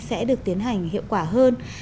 sẽ được tiến hành hiệu quả hơn